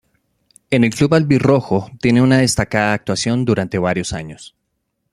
En el club albirrojo tiene una destacada actuación durante varios años.